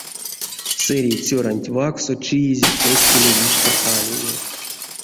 Сэрей цёранть вакссо чиезь эскели вишка авине.